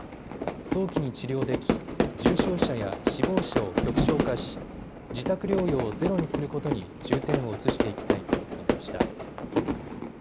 早期に治療でき重症者や死亡者を極少化し自宅療養をゼロにすることに重点を移していきたいと述べました。